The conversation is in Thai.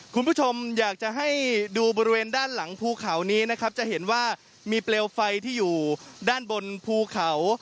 คุณผู้ชมอยากจะให้ดูบริเวณด้านหลังภูเขานี้นะครับจะเห็นว่ามีเปลวไฟที่อยู่ด้านบนภูเขา